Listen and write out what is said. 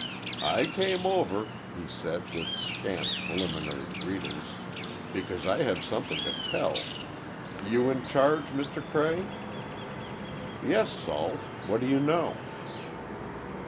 "I came over," he said, with scant preliminary greetings, "because I have something to tell. You in charge, Mr. Cray?" "Yes, Salt, what do you know?"